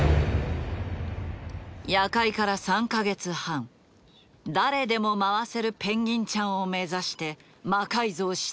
夜会から３か月半誰でも回せるペンギンちゃんを目指して魔改造し続けてきた。